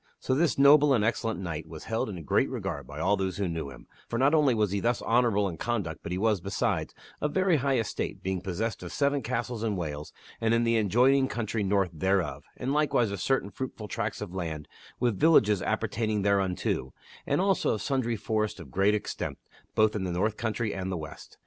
So this noble and excellent knight was held in great regard by all those who knew him; for not only was he thus honorable in conduct but he was, besides, of very high estate, being possessed of seven castles Q j Sir Ector ^ in Wales and in the adjoining country north thereof, and like the trustwor wise of certain fruitful tracts of land with villages appertain / y ing thereunto, and also of sundry forests of great extent, both in the north country and the west.